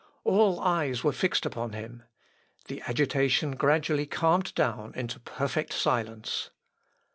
All eyes were fixed upon him. The agitation gradually calmed down into perfect silence.